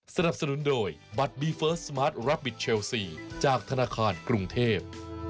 สนับสนุนโดยบัตรบีเฟิร์สสมาร์ทรับบิทเชลซีจากธนาคารกรุงเทพ